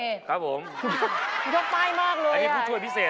ยกเป้ายมากเลยครับอันนี้พูดช่วยพิเศษ